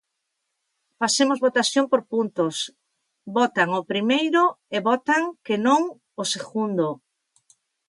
Facemos votación por puntos, votan o primeiro e votan que non o segundo.